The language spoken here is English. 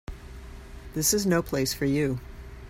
This is no place for you.